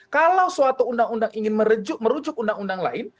kalau suatu undang undang ingin merujuk undang undang lain